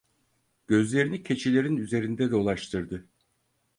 Gözlerini keçilerin üzerinde dolaştırdı.